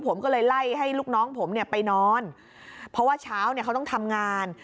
ผมก็เลยไล่ให้ลูกน้องผมเนี่ยไปนอนเพราะว่าเช้าเนี่ยเขาต้องทำงาน